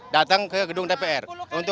datang ke gedung dpr